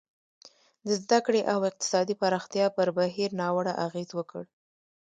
د زده کړې او اقتصادي پراختیا پر بهیر ناوړه اغېز وکړ.